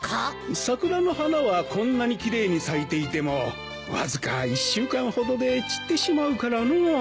桜の花はこんなに奇麗に咲いていてもわずか１週間ほどで散ってしまうからのう。